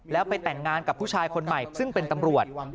แล้วไปแต่งงานกับผู้ชายคนใหม่ซึ่งเป็นตำรวจ